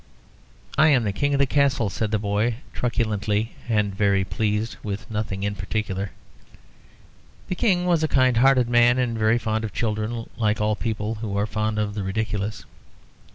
"I'm the King of the Castle," said the boy, truculently, and very pleased with nothing in particular. The King was a kind hearted man, and very fond of children, like all people who are fond of the ridiculous.